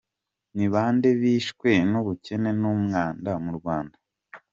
– Ni bande bishwe n’ubukene n’umwanda mu Rwanda?